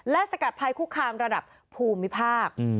และสกัดภัยคุกคามระดับภูมิภาค